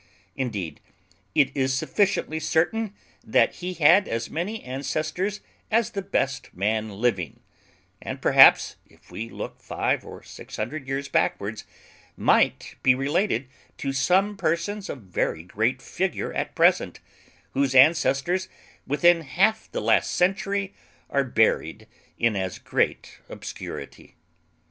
Indeed, it is sufficiently certain that he had as many ancestors as the best man living, and, perhaps, if we look five or six hundred years backwards, might be related to some persons of very great figure at present, whose ancestors within half the last century are buried in as great obscurity.